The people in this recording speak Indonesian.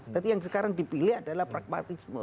tapi yang sekarang dipilih adalah pragmatisme